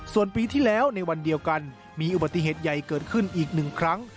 ส่วนปีที่แล้วในวันเดียวกันมีอุบัติเหตุใหญ่เกิดขึ้นอีกหนึ่งครั้ง